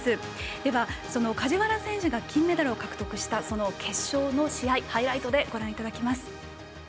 では、その梶原選手が金メダルを獲得したその決勝の試合をハイライトでご覧いただきましょう。